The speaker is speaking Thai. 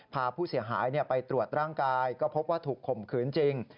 พาผู้เสียหายไปตรวจร่างกายก็พบว่าถูกข่มขืนจริง